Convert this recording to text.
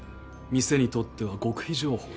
店にとっては極秘情報だ。